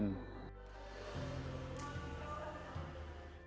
karena saya mencintai judo